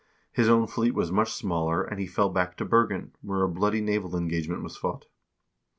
1 His own fleet was much smaller, and he fell back to Bergen, where a bloody naval engagement was fought.